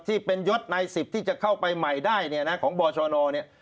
ที่เป็นยศใน๑๐ที่จะเข้าไปใหม่ได้เนี่ยนะของบชนเนี่ย